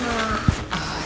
biar sehat oma